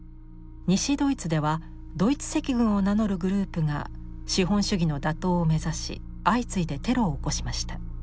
西ドイツではドイツ赤軍を名乗るグループが資本主義の打倒を目指し相次いでテロを起こしました。